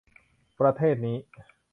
ประเทศนี้